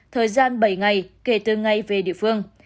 thời gian bảy ngày kể từ ngày về địa phương